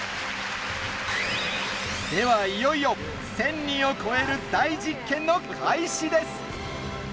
では、いよいよ１０００人を超える大実験の開始です。